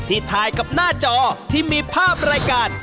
ถ่ายกับหน้าจอที่มีภาพรายการ